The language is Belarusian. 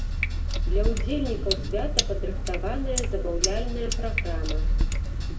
Для ўдзельнікаў свята падрыхтаваная забаўляльная праграма.